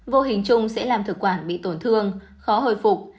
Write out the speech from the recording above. vô hình chung sẽ làm thực quản bị tổn thương khó hồi phục